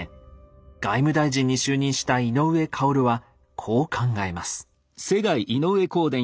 外務大臣に就任した井上馨はこう考えます。